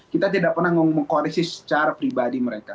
kita tidak pernah mengkoreksi secara pribadi mereka